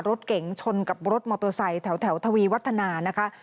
รถเก๋งชนกับรถมอเตอร์ไซค์แถวทวีวัฒนานะคะ